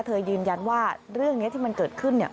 เธอยืนยันว่าเรื่องนี้ที่มันเกิดขึ้น